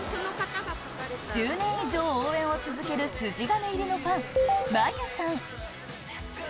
１０年以上、応援を続ける筋金入りのファン、マユさん。